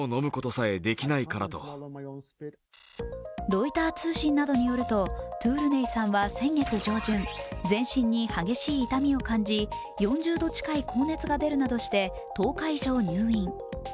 ロイター通信などによると、トゥルネイさんは先月上旬、全身に激しい痛みを感じ、４０度近い高熱が出るなどして１０日以上入院。